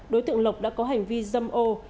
đối tượng lộc đã có hành vi dâm ô